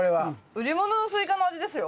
売り物のスイカの味ですよ。